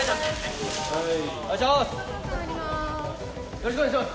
よろしくお願いします。